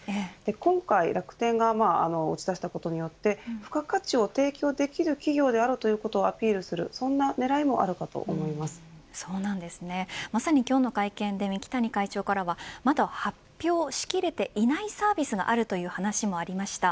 今回、楽天が打ち出したことによって付加価値を提供できる企業であるということをアピールする、そんな狙いもまさに今日の会見で三木谷会長からはまだ発表し切れていないサービスがあるという話もありました。